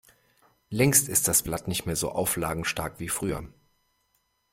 Längst ist das Blatt nicht mehr so auflagenstark wie früher.